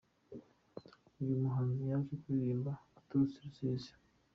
Uyu muhanzi yaje kuririmba aturutse i Rusizi.